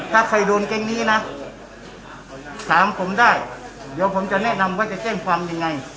ถ้าใครโดนแก๊งนี้นะถามผมได้เดี๋ยวผมจะแนะนำว่าจะแจ้งความยังไง